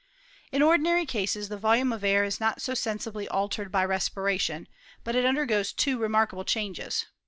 In ordinary cases the volume of air is not sensi bly altered by respiration; but it undergoes two remarkable changes.